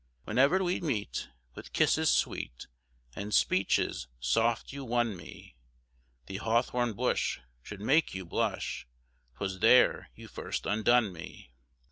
Whene'er we'd meet, With kisses sweet, And speeches soft you won me; The hawthorn bush Shou'd make you blush, 'Twas there you first undone me.